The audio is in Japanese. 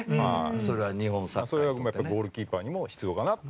それを含めてゴールキーパーにも必要かなと。